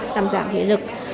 làm dạng hệ lực